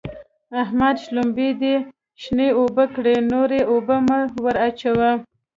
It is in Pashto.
احمده! شلومبې دې شنې اوبه کړې؛ نورې اوبه مه ور اچوه.